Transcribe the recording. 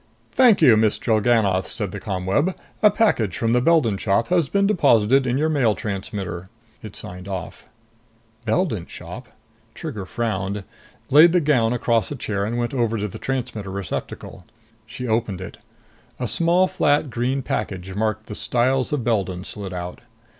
"Thank you, Miss Drellgannoth," said the ComWeb. "A package from the Beldon Shop has been deposited in your mail transmitter." It signed off. Beldon Shop? Trigger frowned, laid the gown across a chair and went over to the transmitter receptacle. She opened it. A flat small green package, marked "The Styles of Beldon," slid out.